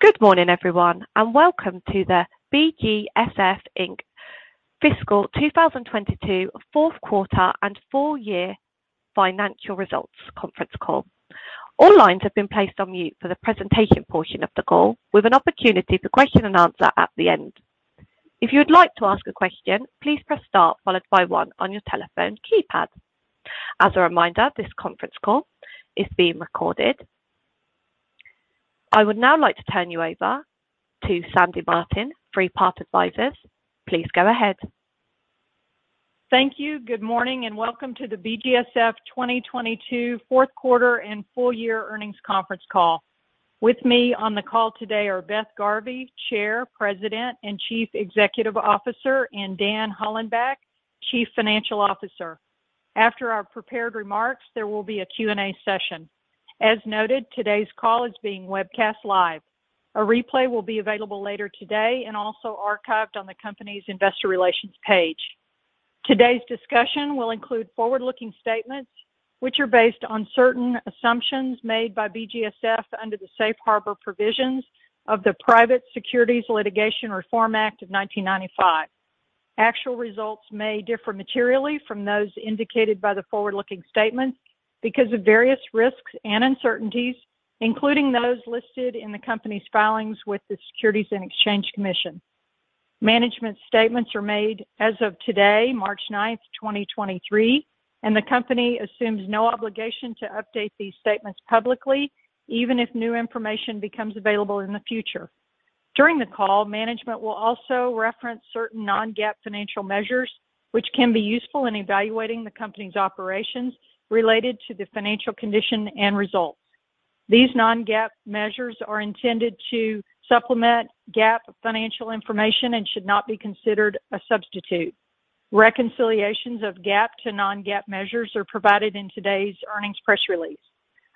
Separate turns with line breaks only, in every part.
Good morning, everyone, welcome to the BGSF Inc Fiscal 2022 Fourth Quarter and Full Year Financial Results Conference Call. All lines have been placed on mute for the presentation portion of the call with an opportunity for question and answer at the end. If you would like to ask a question, please press star followed by one on your telephone keypad. As a reminder, this conference call is being recorded. I would now like to turn you over to Sandy Martin, Three Part Advisors. Please go ahead.
Thank you. Good morning and welcome to the BGSF 2022 Fourth Quarter and Full Year Earnings Conference Call. With me on the call today are Beth Garvey, Chair, President, and Chief Executive Officer, and Dan Hollenbach, Chief Financial Officer. After our prepared remarks, there will be a Q&A session. As noted, today's call is being webcast live. A replay will be available later today and also archived on the company's investor relations page. Today's discussion will include forward-looking statements, which are based on certain assumptions made by BGSF under the Safe Harbor Provisions of the Private Securities Litigation Reform Act of 1995. Actual results may differ materially from those indicated by the forward-looking statements because of various risks and uncertainties, including those listed in the company's filings with the Securities and Exchange Commission. Management statements are made as of today, March 9th, 2023. The company assumes no obligation to update these statements publicly even if new information becomes available in the future. During the call, management will also reference certain non-GAAP financial measures, which can be useful in evaluating the company's operations related to the financial condition and results. These non-GAAP measures are intended to supplement GAAP financial information and should not be considered a substitute. Reconciliations of GAAP to non-GAAP measures are provided in today's earnings press release.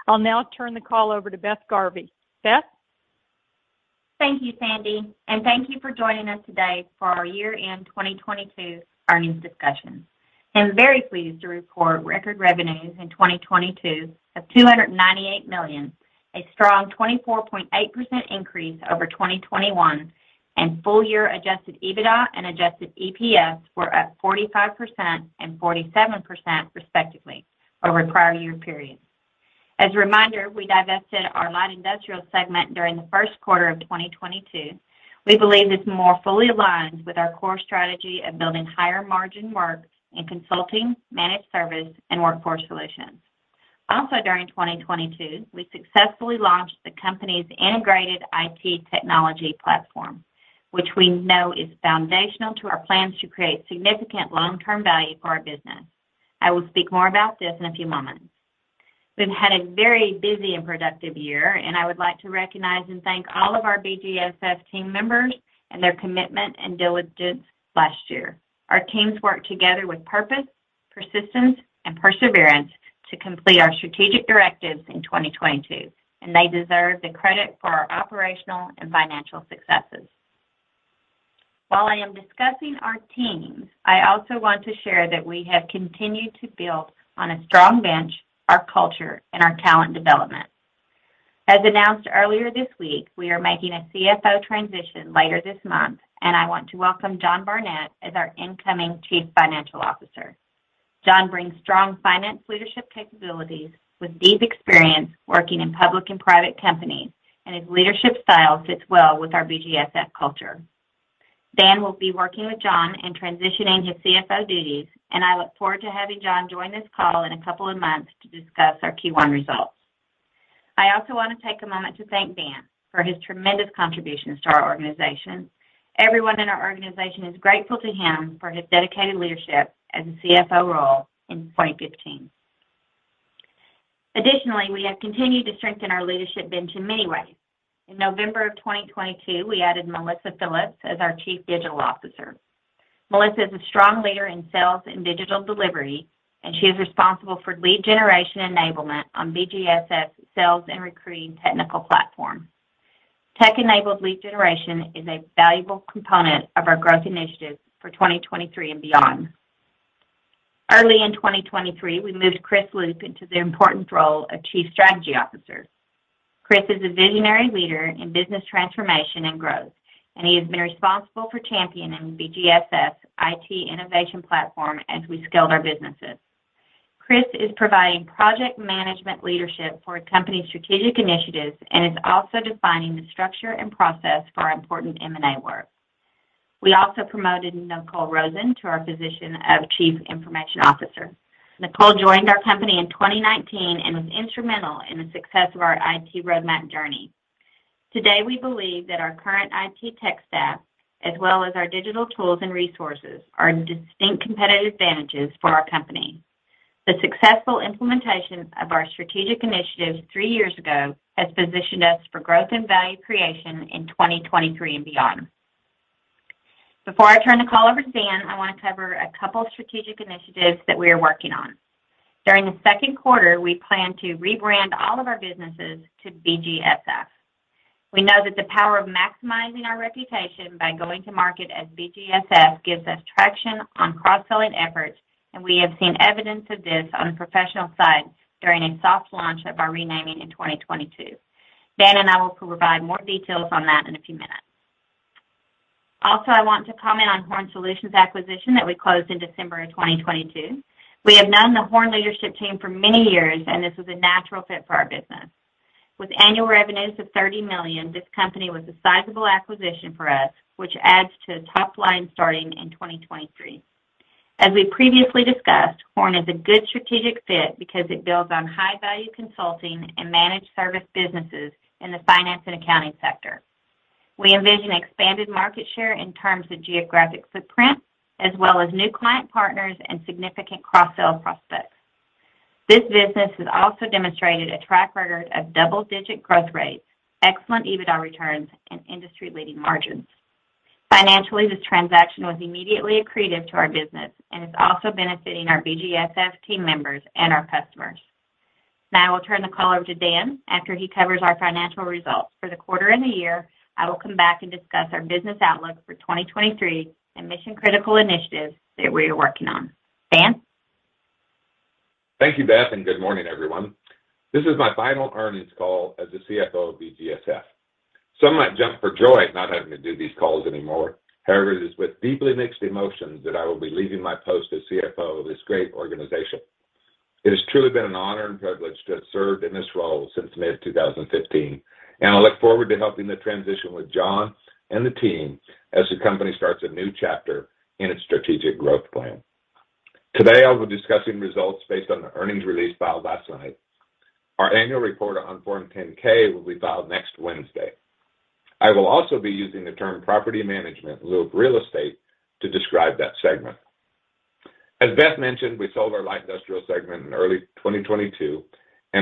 I'll now turn the call over to Beth Garvey. Beth?
Thank you, Sandy. Thank you for joining us today for our year-end 2022 earnings discussion. I'm very pleased to report record revenues in 2022 of $298 million, a strong 24.8% increase over 2021, and full year adjusted EBITDA and adjusted EPS were up 45% and 47% respectively over prior year period. As a reminder, we divested our light industrial segment during the first quarter of 2022. We believe this more fully aligns with our core strategy of building higher margin work in consulting, managed service, and workforce solutions. During 2022, we successfully launched the company's integrated IT technology platform, which we know is foundational to our plans to create significant long-term value for our business. I will speak more about this in a few moments. We've had a very busy and productive year. I would like to recognize and thank all of our BGSF team members and their commitment and diligence last year. Our teams worked together with purpose, persistence, and perseverance to complete our strategic directives in 2022, and they deserve the credit for our operational and financial successes. While I am discussing our teams, I also want to share that we have continued to build on a strong bench our culture and our talent development. As announced earlier this week, we are making a CFO transition later this month, and I want to welcome John Barnett as our incoming Chief Financial Officer. John brings strong finance leadership capabilities with deep experience working in public and private companies, and his leadership style fits well with our BGSF culture. Dan will be working with John in transitioning his CFO duties, and I look forward to having John join this call in a couple of months to discuss our Q1 results. I also want to take a moment to thank Dan Hollenbach for his tremendous contributions to our organization. Everyone in our organization is grateful to him for his dedicated leadership as a CFO role in 2015. Additionally, we have continued to strengthen our leadership bench in many ways. In November of 2022, we added Melissa Phillips as our Chief Digital Officer. Melissa is a strong leader in sales and digital delivery, and she is responsible for lead generation enablement on BGSF sales and recruiting technical platform. Tech-enabled lead generation is a valuable component of our growth initiatives for 2023 and beyond. Early in 2023, we moved Chris Loope into the important role of Chief Strategy Officer. Chris is a visionary leader in business transformation and growth. He has been responsible for championing BGSF's IT innovation platform as we scaled our businesses. Chris is providing project management leadership for company strategic initiatives and is also defining the structure and process for our important M&A work. We also promoted Nycole Rosen to our position of Chief Information Officer. Nycole joined our company in 2019 and was instrumental in the success of our IT roadmap journey. Today, we believe that our current IT tech staff, as well as our digital tools and resources, are distinct competitive advantages for our company. The successful implementation of our strategic initiatives three years ago has positioned us for growth and value creation in 2023 and beyond. Before I turn the call over to Dan, I want to cover a couple of strategic initiatives that we are working on. During the second quarter, we plan to rebrand all of our businesses to BGSF. We know that the power of maximizing our reputation by going to market as BGSF gives us traction on cross-selling efforts, and we have seen evidence of this on professional side during a soft launch of our renaming in 2022. Dan and I will provide more details on that in a few minutes. I want to comment on Horn Solutions acquisition that we closed in December of 2022. We have known the Horn leadership team for many years, and this was a natural fit for our business. With annual revenues of $30 million, this company was a sizable acquisition for us, which adds to top line starting in 2023. As we previously discussed, Horn is a good strategic fit because it builds on high value consulting and managed service businesses in the finance and accounting sector. We envision expanded market share in terms of geographic footprint as well as new client partners and significant cross-sell prospects. This business has also demonstrated a track record of double-digit growth rates, excellent EBITDA returns, and industry leading margins. Financially, this transaction was immediately accretive to our business and is also benefiting our BGSF team members and our customers. I will turn the call over to Dan. After he covers our financial results for the quarter and the year, I will come back and discuss our business outlook for 2023 and mission critical initiatives that we are working on. Dan.
Thank you, Beth. Good morning, everyone. This is my final earnings call as the CFO of BGSF. Some might jump for joy not having to do these calls anymore. However, it is with deeply mixed emotions that I will be leaving my post as CFO of this great organization. It has truly been an honor and privilege to have served in this role since mid-2015, and I look forward to helping the transition with John and the team as the company starts a new chapter in its strategic growth plan. Today, I'll be discussing results based on the earnings release filed last night. Our annual report on Form 10-K will be filed next Wednesday. I will also be using the term Property Management Real Estate to describe that segment. As Beth mentioned, we sold our light industrial segment in early 2022,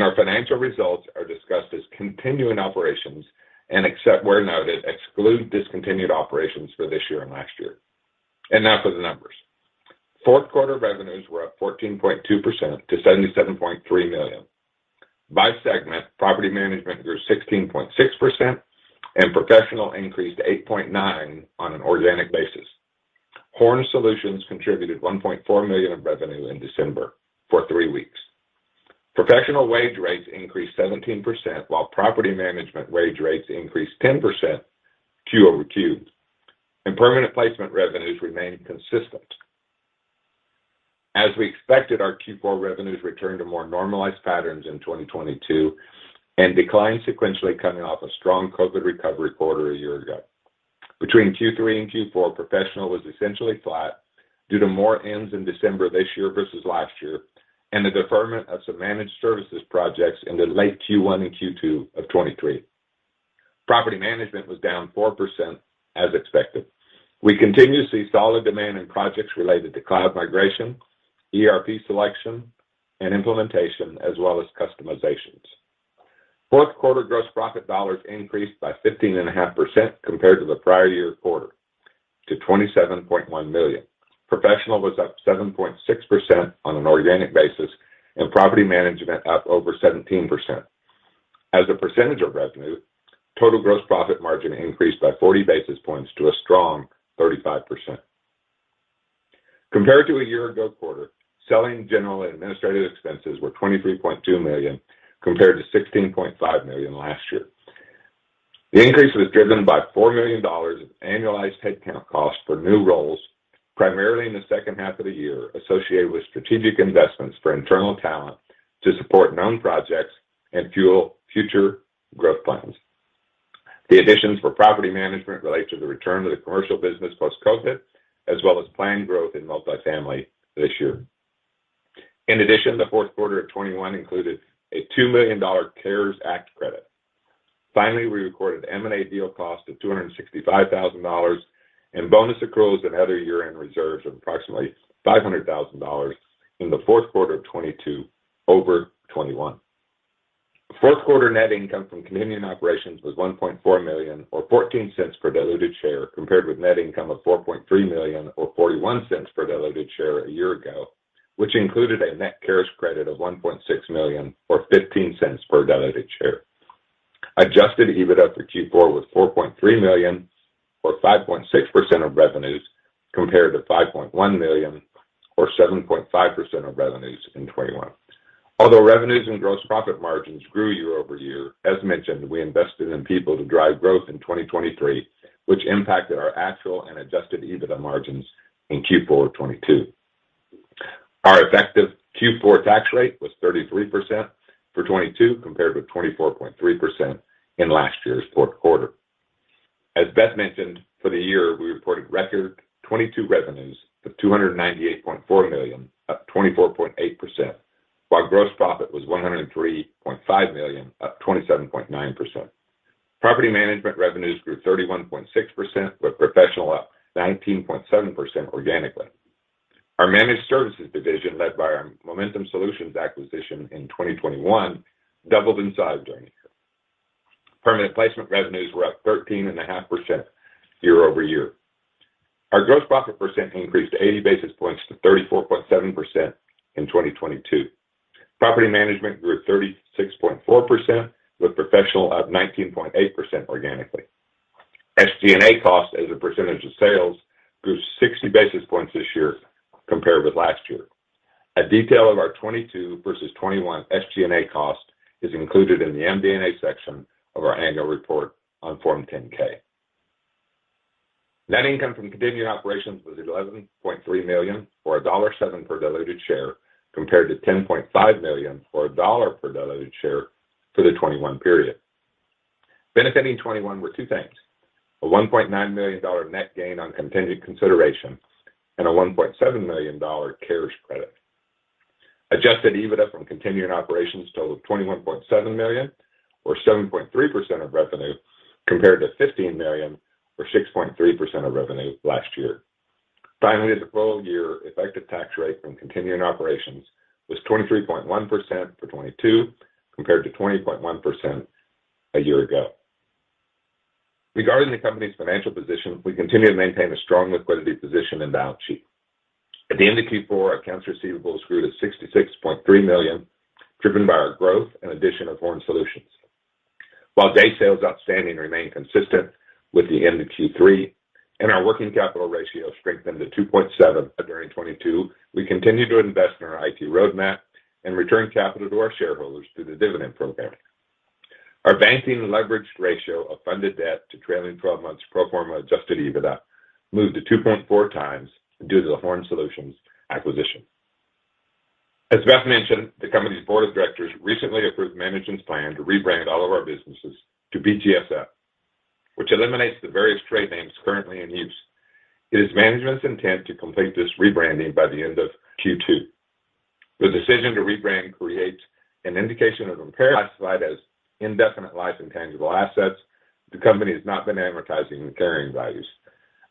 our financial results are discussed as continuing operations and except where noted, exclude discontinued operations for this year and last year. Now for the numbers. Fourth quarter revenues were up 14.2% to $77.3 million. By segment, Property Management grew 16.6% and Professional increased 8.9% on an organic basis. Horn Solutions contributed $1.4 million of revenue in December for three weeks. Professional wage rates increased 17%, while Property Management wage rates increased 10% quarter-over-quarter. Permanent placement revenues remained consistent. As we expected, our Q4 revenues returned to more normalized patterns in 2022 and declined sequentially coming off a strong COVID recovery quarter a year ago. Between Q3 and Q4, Professional was essentially flat due to more ends in December of this year versus last year and the deferment of some managed services projects into late Q1 and Q2 of 2023. Property Management was down 4% as expected. We continue to see solid demand in projects related to cloud migration, ERP selection and implementation, as well as customizations. Fourth quarter gross profit dollars increased by 15.5% compared to the prior year quarter to $27.1 million. Professional was up 7.6% on an organic basis, and Property Management up over 17%. As a percentage of revenue, total gross profit margin increased by 40 basis points to a strong 35%. Compared to a year ago quarter, Selling General and Administrative expenses were $23.2 million compared to $16.5 million last year. The increase was driven by $4 million of annualized headcount costs for new roles, primarily in the second half of the year, associated with strategic investments for internal talent to support known projects and fuel future growth plans. The additions for Property Management relate to the return of the commercial business post-COVID as well as planned growth in multi-family this year. In addition, the fourth quarter of 2021 included a $2 million CARES Act credit. We recorded M&A deal cost of $265,000 and bonus accruals and other year-end reserves of approximately $500,000 in the fourth quarter of 2022 over 2021. Fourth quarter net income from continuing operations was $1.4 million or $0.14 per diluted share, compared with net income of $4.3 million or $0.41 per diluted share a year ago, which included a net CARES credit of $1.6 million or $0.15 per diluted share. Adjusted EBITDA for Q4 was $4.3 million or 5.6% of revenues, compared to $5.1 million or 7.5% of revenues in 2021. Although revenues and gross profit margins grew year-over-year, as mentioned, we invested in people to drive growth in 2023, which impacted our actual and adjusted EBITDA margins in Q4 of 2022. Our effective Q4 tax rate was 33% for 2022 compared with 24.3% in last year's fourth quarter. As Beth mentioned, for the year, we reported record 2022 revenues of $298.4 million, up 24.8%, while gross profit was $103.5 million, up 27.9%. Property Management revenues grew 31.6%, with professional up 19.7% organically. Our managed services division, led by our Momentum Solutionz acquisition in 2021, doubled in size during the year. Permanent placement revenues were up 13.5% year-over-year. Our gross profit percent increased 80 basis points to 34.7% in 2022. Property Management grew 36.4%, with professional up 19.8% organically. SG&A cost as a percentage of sales grew 60 basis points this year compared with last year. A detail of our 2022 versus 2021 SG&A cost is included in the MD&A section of our annual report on Form 10-K. Net income from continuing operations was $11.3 million, or $1.07 per diluted share, compared to $10.5 million, or $1.00 per diluted share for the 2021 period. Benefiting 2021 were two things: a $1.9 million net gain on contingent consideration and a $1.7 million CARES credit. Adjusted EBITDA from continuing operations totaled $21.7 million or 7.3% of revenue compared to $15 million or 6.3% of revenue last year. Finally, the full-year effective tax rate from continuing operations was 23.1% for 2022 compared to 20.1% a year ago. Regarding the company's financial position, we continue to maintain a strong liquidity position and balance sheet. At the end of Q4, our accounts receivables grew to $66.3 million, driven by our growth and addition of Horn Solutions. While day sales outstanding remained consistent with the end of Q3 and our working capital ratio strengthened to 2.7 during 2022, we continued to invest in our IT roadmap and return capital to our shareholders through the dividend program. Our banking leveraged ratio of funded debt to trailing 12 months pro forma adjusted EBITDA moved to 2.4x due to the Horn Solutions acquisition. As Beth mentioned, the company's board of directors recently approved management's plan to rebrand all of our businesses to BGSF, which eliminates the various trade names currently in use. It is management's intent to complete this rebranding by the end of Q2. The decision to rebrand creates an indication of impairment classified as indefinite life intangible assets. The company has not been advertising the carrying values.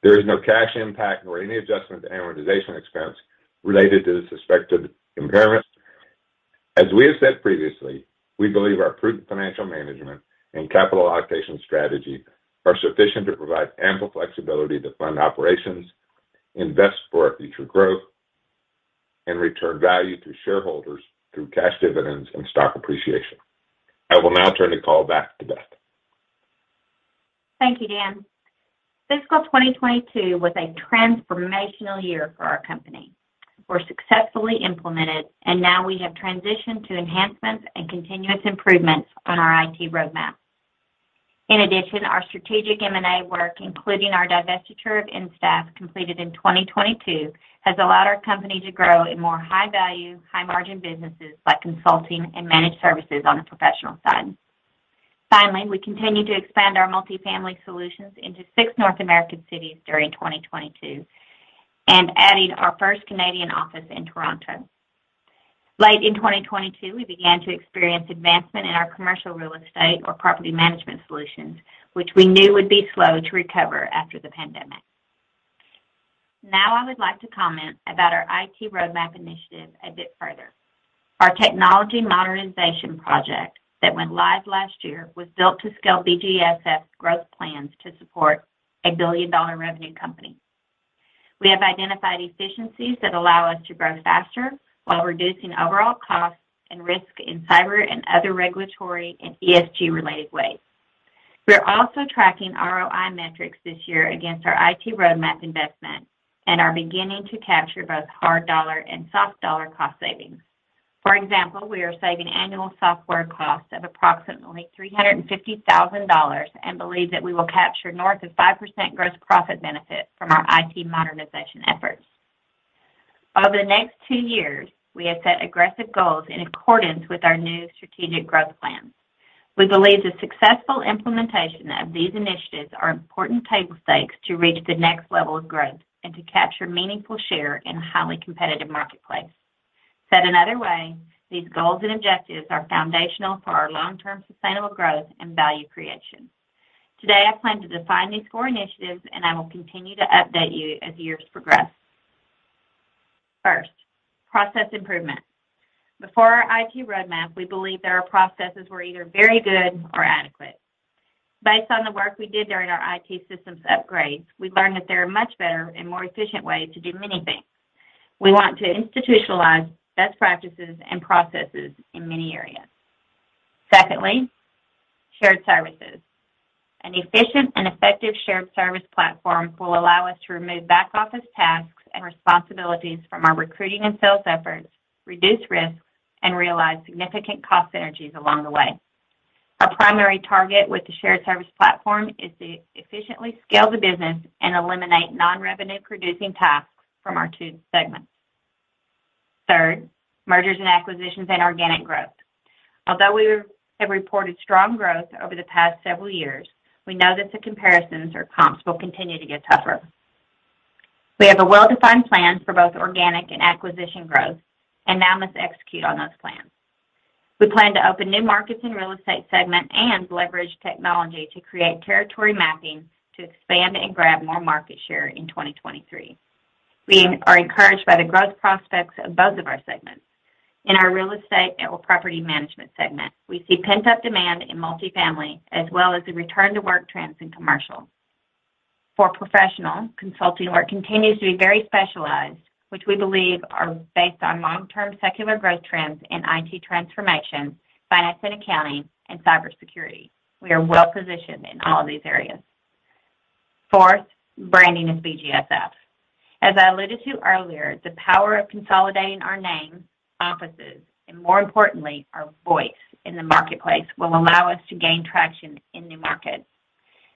There is no cash impact or any adjustment to amortization expense related to the suspected impairment. As we have said previously, we believe our prudent financial management and capital allocation strategy are sufficient to provide ample flexibility to fund operations, invest for our future growth, and return value to shareholders through cash dividends and stock appreciation. I will now turn the call back to Beth.
Thank you, Dan. Fiscal 2022 was a transformational year for our company. Now we have transitioned to enhancements and continuous improvements on our IT roadmap. In addition, our strategic M&A work, including our divestiture of InStaff completed in 2022, has allowed our company to grow in more high-value, high-margin businesses like consulting and managed services on the Professional side. Finally, we continue to expand our MultiFamily solutions into six North American cities during 2022 and adding our first Canadian office in Toronto. Late in 2022, we began to experience advancement in our commercial Real Estate or Property Management solutions, which we knew would be slow to recover after the pandemic. Now I would like to comment about our IT roadmap initiative a bit further. Our technology modernization project that went live last year was built to scale BGSF growth plans to support a billion-dollar revenue company. We have identified efficiencies that allow us to grow faster while reducing overall costs and risk in cyber and other regulatory and ESG related ways. We are also tracking ROI metrics this year against our IT roadmap investment and are beginning to capture both hard dollar and soft dollar cost savings. For example, we are saving annual software costs of approximately $350,000 and believe that we will capture north of 5% gross profit benefit from our IT modernization efforts. Over the next two years, we have set aggressive goals in accordance with our new strategic growth plans. We believe the successful implementation of these initiatives are important table stakes to reach the next level of growth and to capture meaningful share in a highly competitive marketplace. Said another way, these goals and objectives are foundational for our long-term sustainable growth and value creation. Today, I plan to define these four initiatives, and I will continue to update you as the years progress. First, process improvement. Before our IT roadmap, we believe there are processes were either very good or adequate. Based on the work we did during our IT systems upgrades, we learned that there are much better and more efficient ways to do many things. We want to institutionalize best practices and processes in many areas. Secondly, shared services. An efficient and effective shared service platform will allow us to remove back-office tasks and responsibilities from our recruiting and sales efforts, reduce risks, and realize significant cost synergies along the way. Our primary target with the shared service platform is to efficiently scale the business and eliminate non-revenue producing tasks from our two segments. Third, mergers and acquisitions and organic growth. Although we have reported strong growth over the past several years, we know that the comparisons or comps will continue to get tougher. We have a well-defined plan for both organic and acquisition growth and now must execute on those plans. We plan to open new markets in Real Estate segment and leverage technology to create territory mapping to expand and grab more market share in 2023. We are encouraged by the growth prospects of both of our segments. In our Real Estate or Property Management segment, we see pent-up demand in MultiFamily as well as the return to work trends in commercial. For professional, consulting work continues to be very specialized, which we believe are based on long-term secular growth trends in IT transformation, finance and accounting, and cybersecurity. We are well-positioned in all of these areas. Fourth, branding as BGSF. As I alluded to earlier, the power of consolidating our name, offices, and more importantly, our voice in the marketplace will allow us to gain traction in new markets.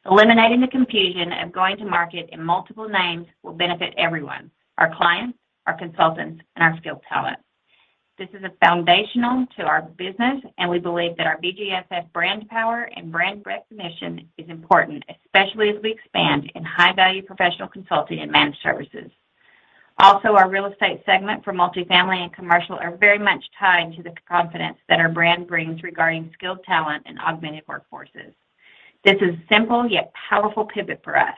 Eliminating the confusion of going to market in multiple names will benefit everyone, our clients, our consultants, and our skilled talent. This is a foundational to our business, and we believe that our BGSF brand power and brand recognition is important, especially as we expand in high-value professional consulting and managed services. Our Real Estate segment for MultiFamily and commercial are very much tied to the confidence that our brand brings regarding skilled talent and augmented workforces. This is simple yet powerful pivot for us.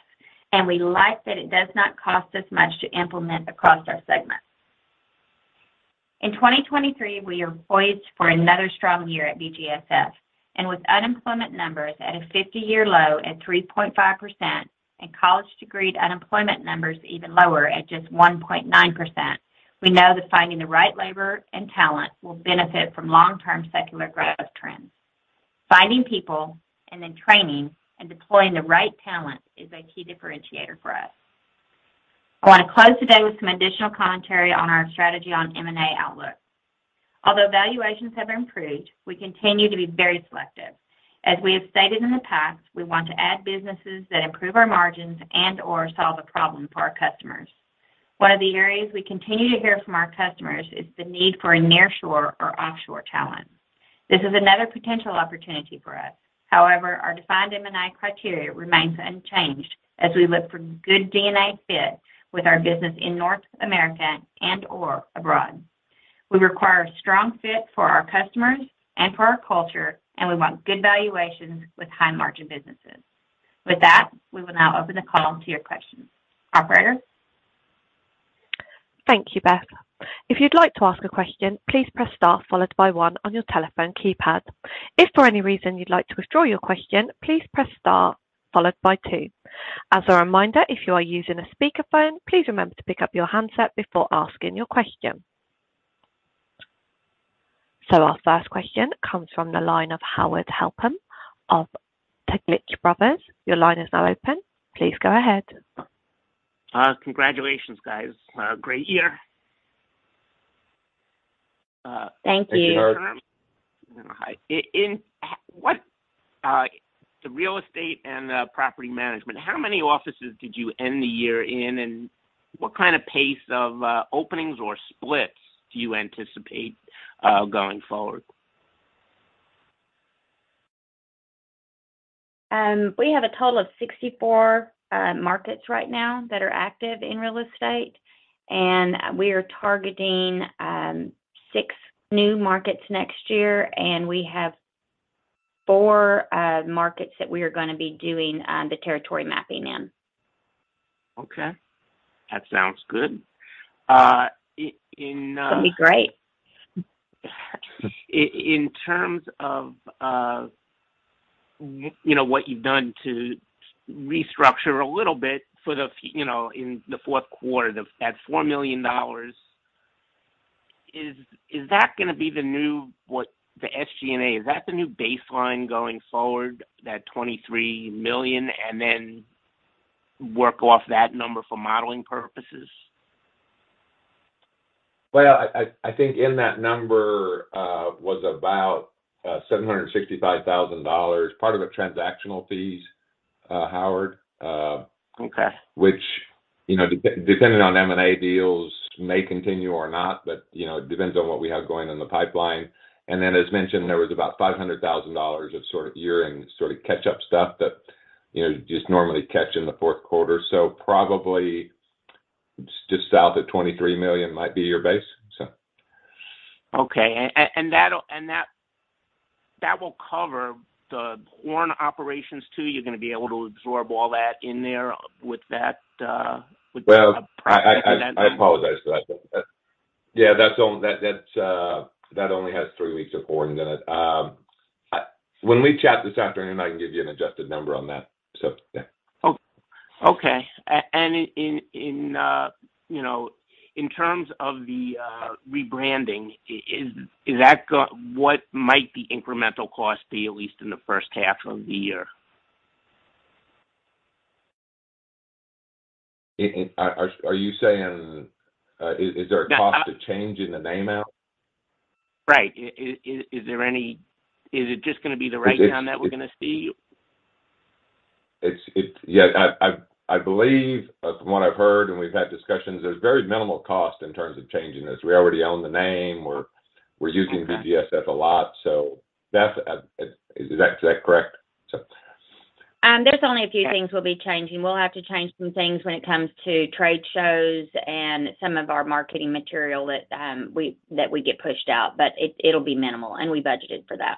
We like that it does not cost us much to implement across our segments. In 2023, we are poised for another strong year at BGSF. With unemployment numbers at a 50-year low at 3.5% and college degreed unemployment numbers even lower at just 1.9%, we know that finding the right labor and talent will benefit from long-term secular growth trends. Finding people and then training and deploying the right talent is a key differentiator for us. I want to close today with some additional commentary on our strategy on M&A outlook. Although valuations have improved, we continue to be very selective. As we have stated in the past, we want to add businesses that improve our margins and or solve a problem for our customers. One of the areas we continue to hear from our customers is the need for a nearshore or offshore talent. This is another potential opportunity for us. Our defined M&I criteria remains unchanged as we look for good DNA fit with our business in North America and or abroad. We require a strong fit for our customers and for our culture. We want good valuations with high margin businesses. With that, we will now open the call to your questions. Operator?
Thank you, Beth. If you'd like to ask a question, please press star followed by one on your telephone keypad. If for any reason you'd like to withdraw your question, please press star followed by two. As a reminder, if you are using a speakerphone, please remember to pick up your handset before asking your question. Our first question comes from the line of Howard Halpern of Taglich Brothers. Your line is now open. Please go ahead.
Congratulations, guys. Great year.
Thank you.
In what, the Real Estate and Property Management, how many offices did you end the year in, and what kind of pace of openings or splits do you anticipate going forward?
We have a total of 64 markets right now that are active in Real Estate. We are targeting six new markets next year. We have four markets that we are going to be doing the territory mapping in.
Okay. That sounds good.
That'd be great.
In terms of, you know, what you've done to restructure a little bit for the you know, in the fourth quarter, that $4 million, is that gonna be the new the SG&A, is that the new baseline going forward, that $23 million, and then work off that number for modeling purposes?
Well, I think in that number, was about $765,000, part of it transactional fees, Howard.
Okay.
Which, you know, depending on M&A deals may continue or not, but, you know, it depends on what we have going in the pipeline. As mentioned, there was about $500,000 of sort of year-end sort of catch-up stuff that, you know, you just normally catch in the fourth quarter. Probably just south of $23 million might be your base.
Okay. That will cover the Horn operations too. You're gonna be able to absorb all that in there with that.
I apologize for that. Yeah, that's That only has three weeks of Horn in it. When we chat this afternoon, I can give you an adjusted number on that. Yeah.
Okay. In, you know, in terms of the rebranding, what might the incremental cost be, at least in the first half of the year?
Are you saying, is there a cost of changing the name out?
Right. Is it just gonna be the write-down that we're gonna see?
It's. Yeah. I believe, from what I've heard, and we've had discussions, there's very minimal cost in terms of changing this. We already own the name. We're using BGSF a lot. So that's, is that correct?
There's only a few things we'll be changing. We'll have to change some things when it comes to trade shows and some of our marketing material that we get pushed out, but it'll be minimal, and we budgeted for that.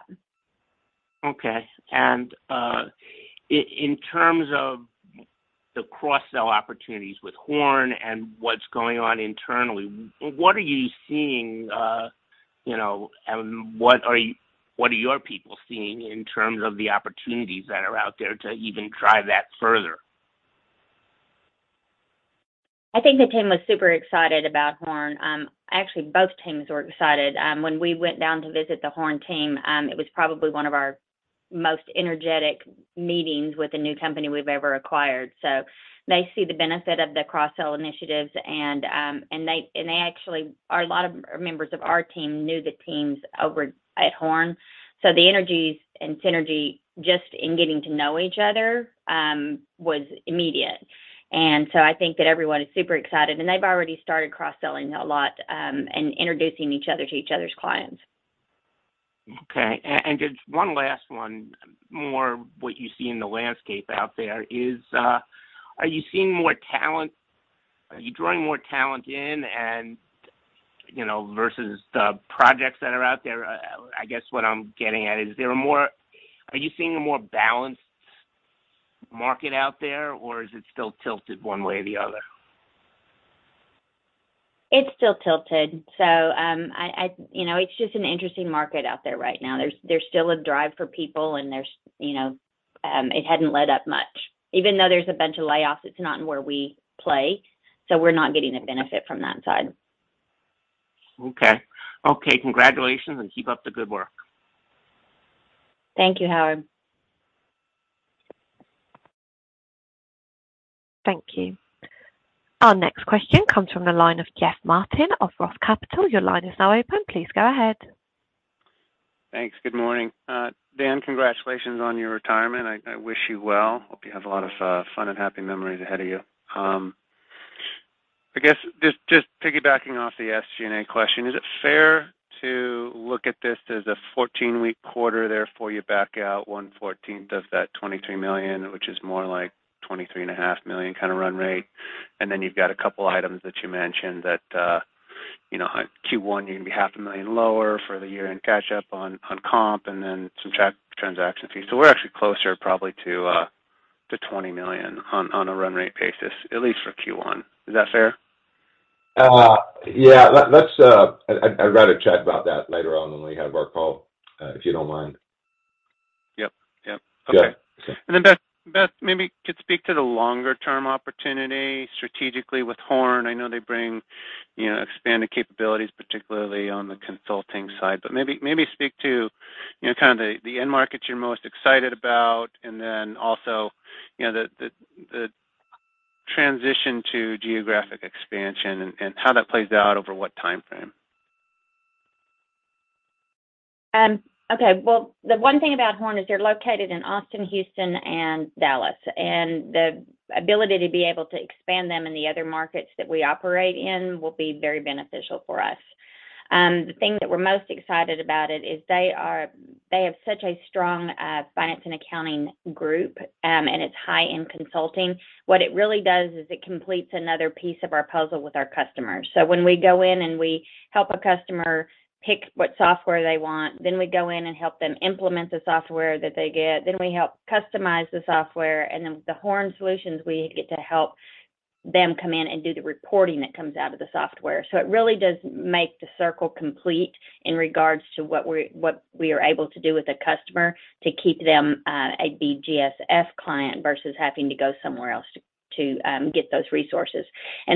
Okay. in terms of the cross-sell opportunities with Horn and what's going on internally, what are you seeing, You know, and what are your people seeing in terms of the opportunities that are out there to even drive that further?
I think the team was super excited about Horn. Actually, both teams were excited. When we went down to visit the Horn team, it was probably one of our most energetic meetings with a new company we've ever acquired. They see the benefit of the cross-sell initiatives. A lot of members of our team knew the teams over at Horn. The energies and synergy just in getting to know each other, was immediate. I think that everyone is super excited, and they've already started cross-selling a lot, and introducing each other to each other's clients.
Okay. just one last one, more what you see in the landscape out there is, are you seeing more talent? Are you drawing more talent in and, you know, versus the projects that are out there? I guess what I'm getting at is, Are you seeing a more balanced market out there, or is it still tilted one way or the other?
It's still tilted. You know, it's just an interesting market out there right now. There's still a drive for people and there's, you know, it hadn't let up much. Even though there's a bunch of layoffs, it's not in where we play, so we're not getting a benefit from that side.
Okay. Okay, congratulations, and keep up the good work.
Thank you, Howard.
Thank you. Our next question comes from the line of Jeff Martin of Roth Capital. Your line is now open. Please go ahead.
Thanks. Good morning. Dan, congratulations on your retirement. I wish you well. Hope you have a lot of fun and happy memories ahead of you. I guess just piggybacking off the SG&A question, is it fair to look at this as a 14-week quarter there for you back out 1/14 of that $23 million, which is more like $23 and a half million kinda run rate. Then you've got a couple items that you mentioned that, you know, Q1, you're gonna be half a million lower for the year-end catch-up on comp and then some transaction fees. We're actually closer probably to $20 million on a run rate basis, at least for Q1. Is that fair?
Yeah. Let's, I'd rather chat about that later on when we have our call, if you don't mind.
Yep. Yep.
Good.
Okay. Then, Beth, maybe speak to the longer-term opportunity strategically with Horn? I know they bring, you know, expanded capabilities, particularly on the consulting side. Maybe speak to, you know, kind of the end markets you're most excited about, and also, you know, the transition to geographic expansion and how that plays out over what timeframe.
Okay. Well, the one thing about Horn is they're located in Austin, Houston, and Dallas, the ability to be able to expand them in the other markets that we operate in will be very beneficial for us. The thing that we're most excited about it is they have such a strong Finance and Accounting group, it's high in consulting. What it really does is it completes another piece of our puzzle with our customers. When we go in and we help a customer pick what software they want, then we go in and help them implement the software that they get, then we help customize the software, and then with the Horn Solutions, we get to help them come in and do the reporting that comes out of the software. It really does make the circle complete in regards to what we are able to do with the customer to keep them, a BGSF client versus having to go somewhere else to get those resources.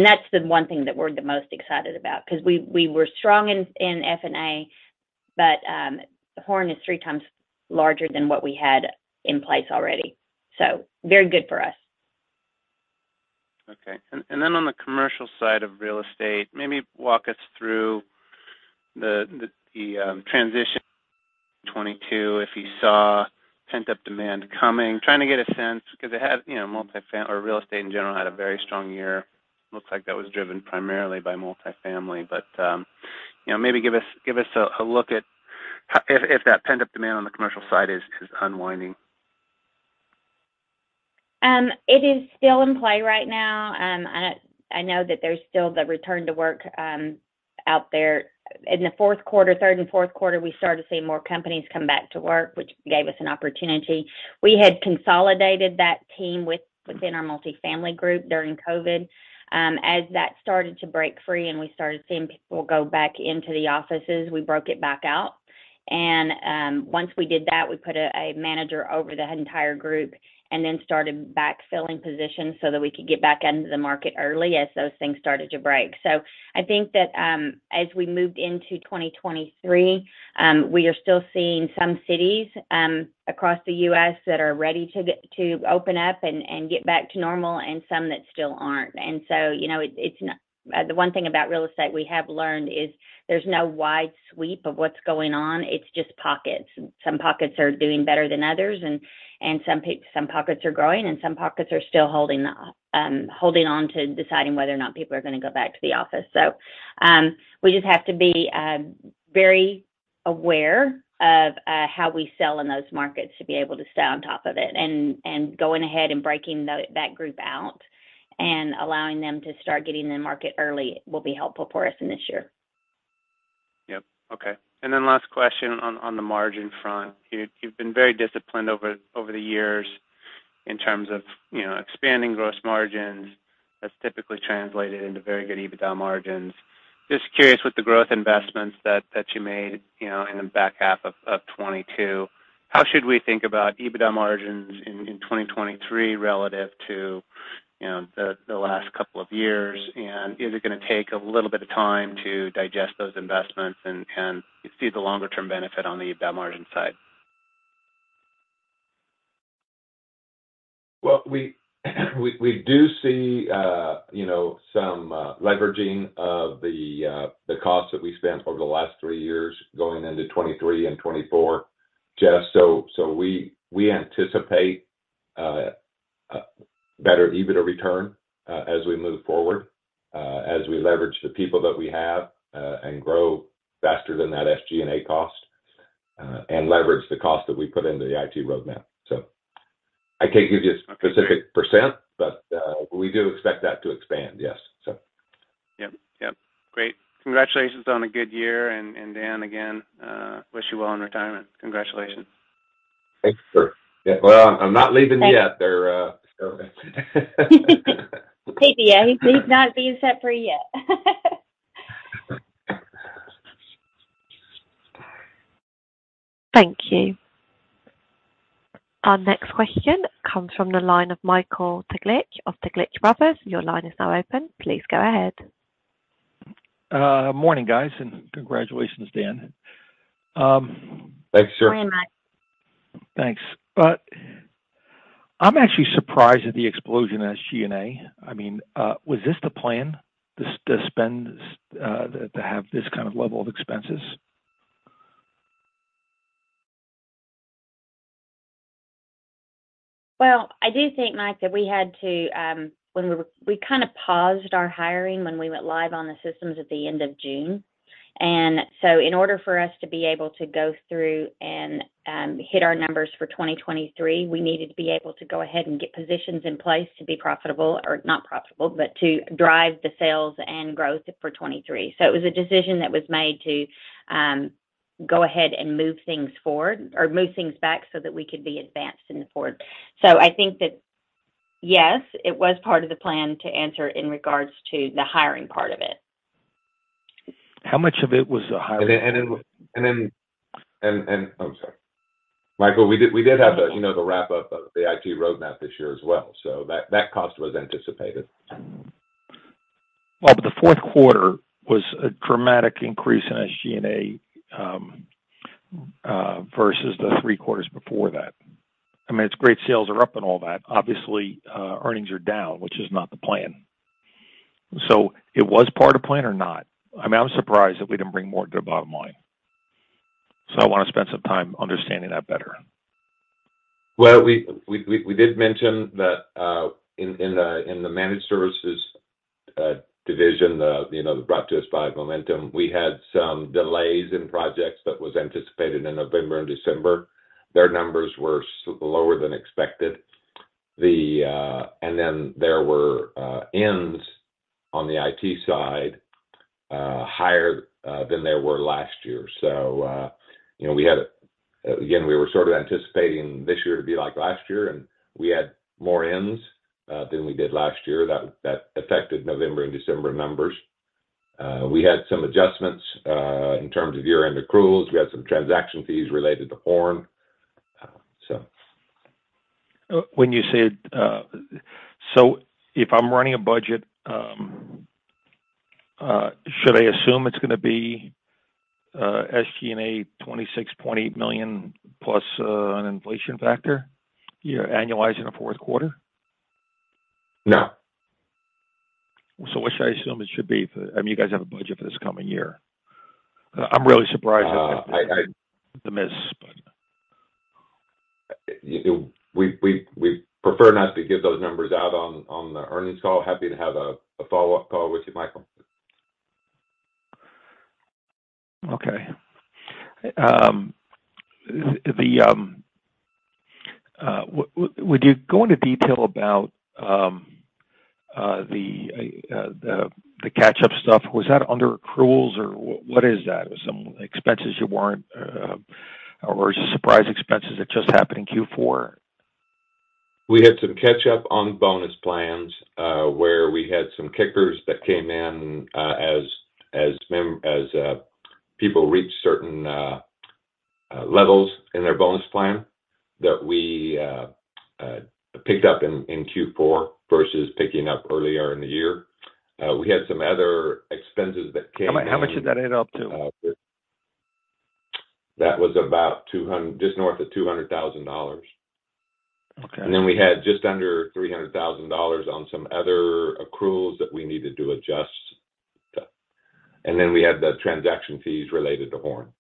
That's the one thing that we're the most excited about because we were strong in F&A, but, Horn is three times larger than what we had in place already. Very good for us.
Okay. Then on the commercial side of Real Estate, maybe walk us through the transition 2022, if you saw pent-up demand coming. Trying to get a sense because it had, you know, MultiFamily or Real Estate in general had a very strong year. Looks like that was driven primarily by MultiFamily. you know, maybe give us a look at if that pent-up demand on the commercial side is unwinding.
It is still in play right now. I know that there's still the return to work out there. In the fourth quarter, third and fourth quarter, we started to see more companies come back to work, which gave us an opportunity. We had consolidated that team within our MultiFamily group during COVID. As that started to break free and we started seeing people go back into the offices, we broke it back out. Once we did that, we put a manager over the entire group and then started backfilling positions so that we could get back into the market early as those things started to break. I think that, as we moved into 2023, we are still seeing some cities across the U.S. that are ready to open up and get back to normal and some that still aren't. You know, it's not. The one thing about Real Estate we have learned is there's no wide sweep of what's going on. It's just pockets. Some pockets are doing better than others, and some pockets are growing, and some pockets are still holding on to deciding whether or not people are gonna go back to the office. We just have to be very aware of how we sell in those markets to be able to stay on top of it. Going ahead and breaking that group out and allowing them to start getting the market early will be helpful for us in this year.
Yep. Okay. last question on the margin front. You've been very disciplined over the years. In terms of, you know, expanding gross margins, that's typically translated into very good EBITDA margins. Just curious, with the growth investments that you made, you know, in the back half of 2022, how should we think about EBITDA margins in 2023 relative to, you know, the last couple of years? Is it gonna take a little bit of time to digest those investments and see the longer-term benefit on the EBITDA margin side?
Well, we do see, you know, some leveraging of the costs that we spent over the last three years going into 2023 and 2024. Jeff, we anticipate a better EBITDA return as we move forward, as we leverage the people that we have, and grow faster than that SG&A cost, and leverage the cost that we put into the IT roadmap, so. I can't give you a specific percent, we do expect that to expand, yes, so.
Yep. Great. Congratulations on a good year, and Dan, again, wish you well in retirement. Congratulations.
Thanks, sir. Yeah, well, I'm not leaving yet.
He's not being set free yet.
Thank you. Our next question comes from the line of Michael Taglich of Taglich Brothers. Your line is now open. Please go ahead.
Morning, guys, and congratulations, Dan.
Thanks, sir.
Morning, Mike.
Thanks. I'm actually surprised at the explosion of SG&A. I mean, was this the plan to spend to have this kind of level of expenses?
Well, I do think, Mike, that we had to. When we kinda paused our hiring when we went live on the systems at the end of June. In order for us to be able to go through and hit our numbers for 2023, we needed to be able to go ahead and get positions in place to be profitable, or not profitable, but to drive the sales and growth for 2023. It was a decision that was made to go ahead and move things forward or move things back so that we could be advanced and forward. I think that yes, it was part of the plan to answer in regards to the hiring part of it.
How much of it was the hiring?
Oh, sorry. Michael, we did have the, you know, the wrap-up of the IT roadmap this year as well. That cost was anticipated.
The fourth quarter was a dramatic increase in SG&A versus the three quarters before that. I mean, it's great sales are up and all that. Obviously, earnings are down, which is not the plan. It was part of plan or not? I mean, I was surprised that we didn't bring more to the bottom line. I wanna spend some time understanding that better.
We did mention that in the managed services division, you know, brought to us by Momentum, we had some delays in projects that was anticipated in November and December. Their numbers were lower than expected. There were ends on the IT side, higher than there were last year. You know, we had, again, we were sort of anticipating this year to be like last year, and we had more ends than we did last year. That affected November and December numbers. We had some adjustments in terms of year-end accruals. We had some transaction fees related to Horn.
When you said, if I'm running a budget, should I assume it's gonna be SG&A $26.8 million plus an inflation factor? You're annualizing the fourth quarter?
No.
What should I assume it should be for, I mean, you guys have a budget for this coming year. I'm really surprised at the miss, but.
You know, we prefer not to give those numbers out on the earnings call. Happy to have a follow-up call with you, Michael.
Okay. Would you go into detail about the catch-up stuff? Was that under accruals, or what is that? Some expenses you weren't, or were just surprise expenses that just happened in Q4?
We had some catch-up on bonus plans, where we had some kickers that came in, as people reached certain levels in their bonus plan that we picked up in Q4 versus picking up earlier in the year. We had some other expenses that came in.
How much did that add up to?
That was about just north of $200,000.
Okay.
We had just under $300,000 on some other accruals that we needed to adjust. We had the transaction fees related to Horn.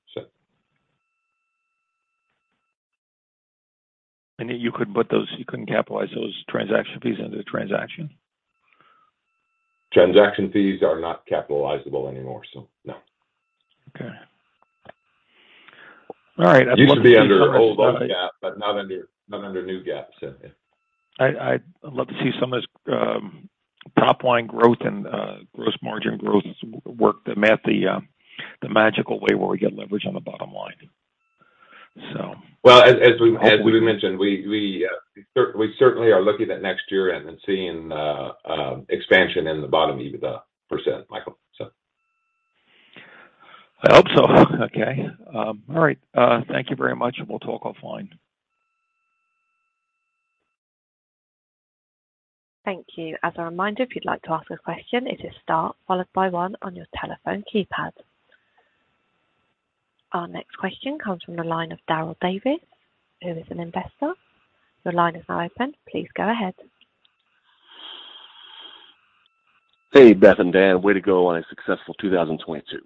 You couldn't capitalize those transaction fees into the transaction?
Transaction fees are not capitalizable anymore, so no.
Okay. All right. I'd love to see some of those.
Used to be under old GAAP, but not under new GAAP, so yeah.
I'd love to see some of those, top line growth and gross margin growth is work that met the magical way where we get leverage on the bottom line, so.
As we mentioned, we certainly are looking at next year and seeing expansion in the bottom, EBITDA percent, Michael.
I hope so. Okay. All right. Thank you very much, and we'll talk offline.
Thank you. As a reminder, if you'd like to ask a question, it is star followed by one on your telephone keypad. Our next question comes from the line of Daryl Davis, who is an investor. Your line is now open. Please go ahead.
Hey, Beth and Dan. Way to go on a successful 2022.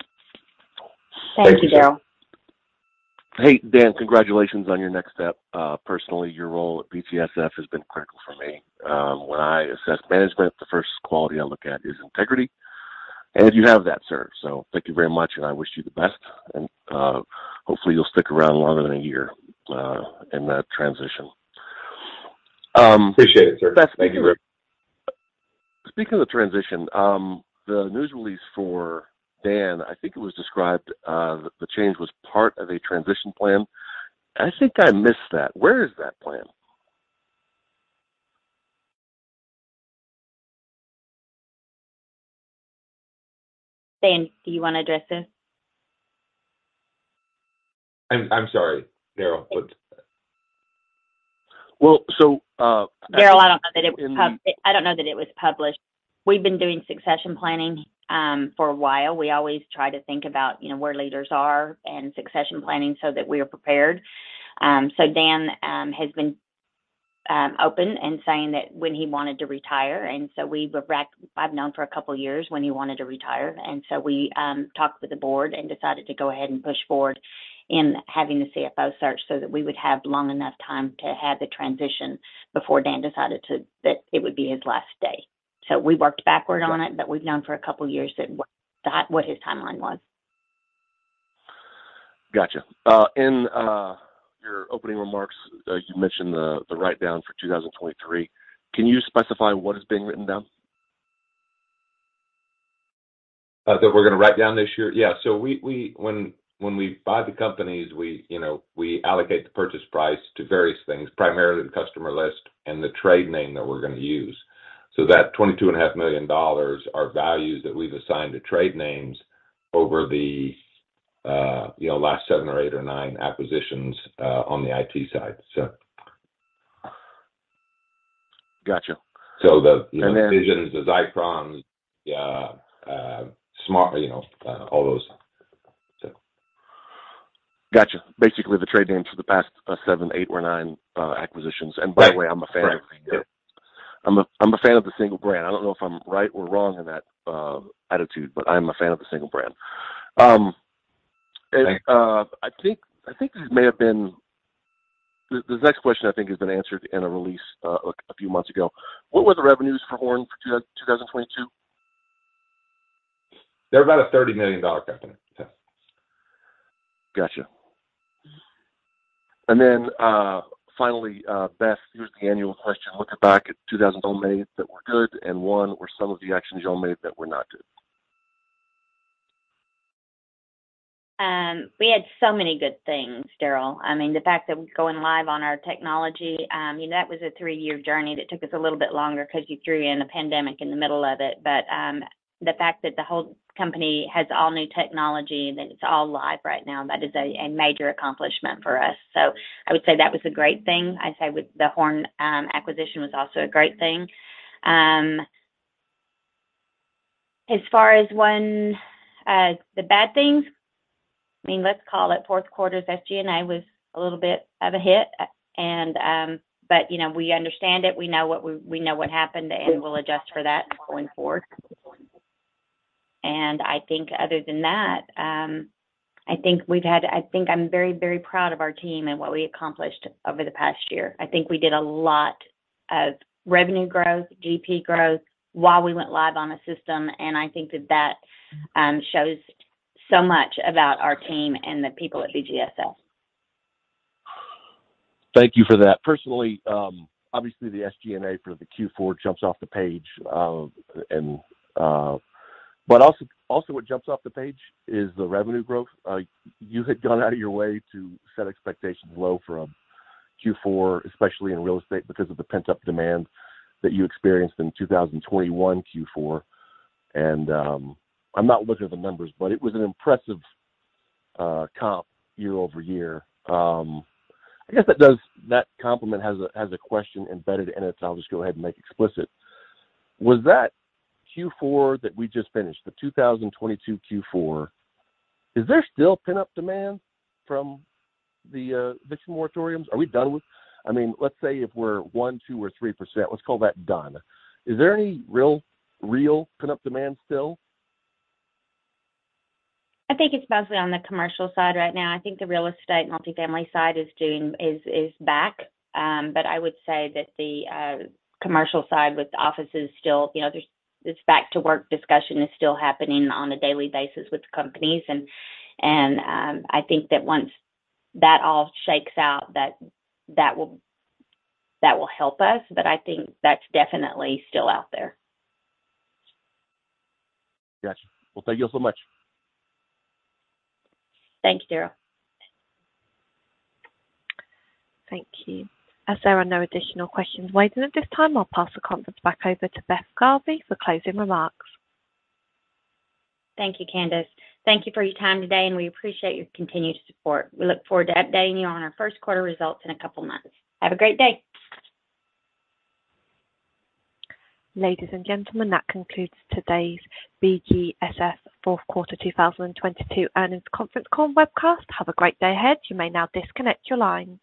Thank you.
Thank you, Daryl.
Hey, Dan. Congratulations on your next step. Personally, your role at BGSF has been critical for me. When I assess management, the first quality I look at is integrity, and you have that, sir. Thank you very much, and I wish you the best. Hopefully you'll stick around longer than a year, in that transition.
Appreciate it, sir. Thank you.
Beth, speaking of the transition, the news release for Dan, I think it was described, the change was part of a transition plan. I think I missed that. Where is that plan?
Dan, do you wanna address this?
I'm sorry, Daryl, but.
Well.
Daryl, I don't know that it was published. We've been doing succession planning for a while. We always try to think about, you know, where leaders are and succession planning so that we are prepared. Dan has been open in saying that when he wanted to retire, I've known for a couple of years when he wanted to retire. We talked with the board and decided to go ahead and push forward in having the CFO search so that we would have long enough time to have the transition before Dan decided that it would be his last day. We worked backward on it, but we've known for a couple years that what his timeline was.
Gotcha. in your opening remarks, you mentioned the write-down for 2023. Can you specify what is being written down?
That we're gonna write down this year? Yeah. When we buy the companies, we, you know, we allocate the purchase price to various things, primarily the customer list and the trade name that we're gonna use. That $22.5 million are values that we've assigned to trade names over the, you know, last seven or eight or nine acquisitions, on the IT side, so.
Gotcha.
So the Vision, the Zycron, the Smart, you know, all those, so.
Gotcha. Basically, the trade names for the past, seven, eight or nine, acquisitions.
Right.
By the way, I'm a fan.
Correct. Yeah.
I'm a fan of the single brand. I don't know if I'm right or wrong in that attitude, but I'm a fan of the single brand.
Thanks.
I think this may have been, this next question, I think, has been answered in a release, a few months ago. What were the revenues for Horn for 2022?
They're about a $30 million company. Yeah.
Gotcha. Then, finally, Beth, here's the annual question. Looking back at 2,000 domains that were good and one or some of the actions y'all made that were not good.
We had so many good things, Daryl. I mean, the fact that we're going live on our technology, I mean, that was a three-year journey that took us a little bit longer 'cause you threw in a pandemic in the middle of it. The fact that the whole company has all new technology, that it's all live right now, that is a major accomplishment for us. I would say that was a great thing. I'd say with the Horn acquisition was also a great thing. As far as when the bad things, I mean, let's call it fourth quarter's SG&A was a little bit of a hit. You know, we understand it, we know what happened, and we'll adjust for that going forward. I think other than that, I think we've had, I think I'm very, very proud of our team and what we accomplished over the past year. I think we did a lot of revenue growth, GP growth while we went live on a system. I think that that shows so much about our team and the people at BGSF.
Thank you for that. Personally, obviously the SG&A for the Q4 jumps off the page. Also, also what jumps off the page is the revenue growth. You had gone out of your way to set expectations low for Q4, especially in Real Estate, because of the pent-up demand that you experienced in 2021 Q4. I'm not looking at the numbers, but it was an impressive comp year-over-year. I guess that compliment has a, has a question embedded in it. I'll just go ahead and make explicit. Was that Q4 that we just finished, the 2022 Q4, is there still pent-up demand from the eviction moratoriums? Are we done with, I mean, let's say if we're 1%, 2% or 3%, let's call that done. Is there any real pent-up demand still?
I think it's mostly on the commercial side right now. I think the real estate MultiFamily side is back. I would say that the commercial side with the offices still, you know, this back to work discussion is still happening on a daily basis with companies. I think that once that all shakes out, that will help us. I think that's definitely still out there.
Got you. Well, thank you all so much.
Thanks, Daryl.
Thank you. As there are no additional questions waiting at this time, I'll pass the conference back over to Beth Garvey for closing remarks.
Thank you, Candice. Thank you for your time today, and we appreciate your continued support. We look forward to updating you on our first quarter results in a couple of months. Have a great day.
Ladies and gentlemen, that concludes today's BGSF fourth quarter 2022 earnings conference call webcast. Have a great day ahead. You may now disconnect your lines